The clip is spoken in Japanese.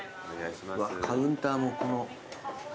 うわカウンターもこの。